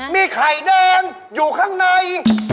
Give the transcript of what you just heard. มีไข่แดงอยู่ข้างใน